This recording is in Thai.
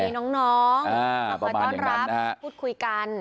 มีน้องมาคอยต้อนรับพูดคุยกัน